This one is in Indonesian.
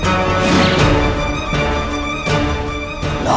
berhasil menutup praden walau susah sampai pingsan